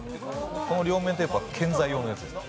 この両面テープは建材用のやつです。